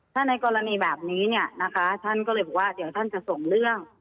ถ้าในกรณีแบบนี้เนี่ยนะคะท่านก็เลยบอกว่าเดี๋ยวท่านจะส่งเรื่อง